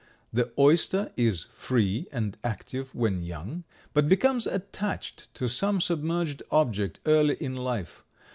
The oyster is free and active when young, but becomes attached to some submerged object early in life.